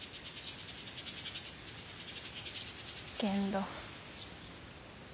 けんど。